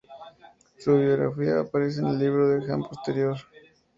Su biografía aparece en el Libro de Han Posterior.